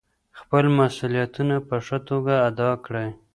خپل مسؤلیتونه په ښه توګه ادا کړئ.